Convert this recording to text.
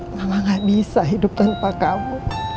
malah gak bisa hidup tanpa kamu